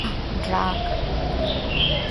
আহ, ড্রাক?